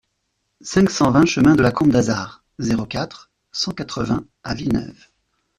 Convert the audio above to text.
cinq cent vingt chemin de la Combe d'Azard, zéro quatre, cent quatre-vingts à Villeneuve